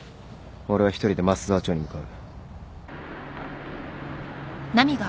俺は１人で益沢町に向かう。